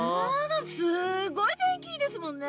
すごいてんきいいですもんね。